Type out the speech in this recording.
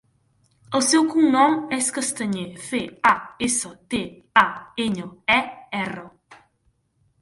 El seu cognom és Castañer: ce, a, essa, te, a, enya, e, erra.